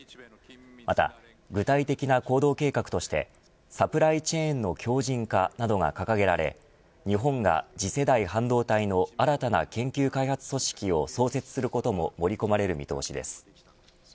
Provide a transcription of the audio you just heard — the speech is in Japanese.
また、具体的な行動計画としてサプライチェーンの強靱化などが掲げられ日本が次世代半導体の新たな研究開発組織を創設することも盛り込まれる見通しです。